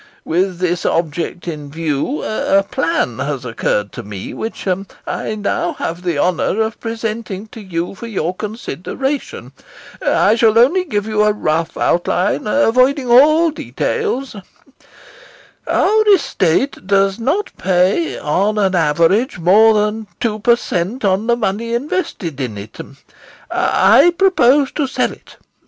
With this object in view, a plan has occurred to me which I now have the honour of presenting to you for your consideration. I shall only give you a rough outline, avoiding all details. Our estate does not pay on an average more than two per cent on the money invested in it. I propose to sell it.